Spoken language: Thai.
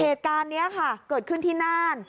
เหตุการณ์นี้ค่ะเกิดขึ้นที่น่าน